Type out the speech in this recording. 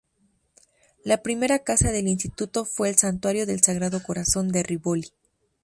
La primera casa del instituto fue el Santuario del Sagrado Corazón de Rivoli.